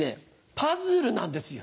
パズルなんですよ。